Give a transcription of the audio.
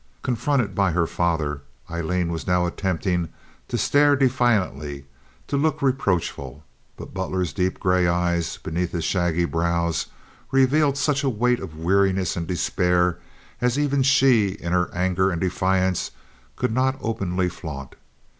Confronted by her father, Aileen was now attempting to stare defiantly, to look reproachful, but Butler's deep gray eyes beneath their shaggy brows revealed such a weight of weariness and despair as even she, in her anger and defiance, could not openly flaunt.